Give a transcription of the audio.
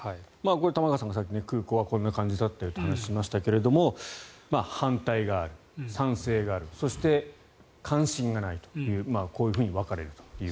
これ、玉川さんがさっき空港はこんな感じだったと話をしましたが反対がある、賛成があるそして、関心がないというこういうふうに分かれると。